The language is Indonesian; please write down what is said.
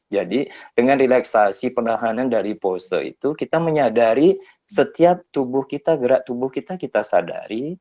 jadi dengan relaksasi penahanan dari pose itu kita menyadari setiap gerak tubuh kita kita sadari